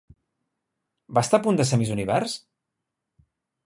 Va estar a punt de ser Miss Univers?